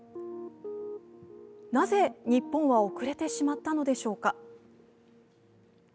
なぜ、日本は遅れてしまったのでしょうか。